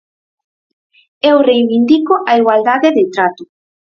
Eu reivindico a igualdade de trato.